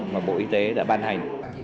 mà bộ y tế đã ban hành